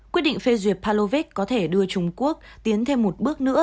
quyết định phê duyệt palovich có thể đưa trung quốc tiến thêm một bước nữa